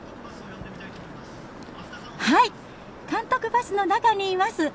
監督バスの中にいます。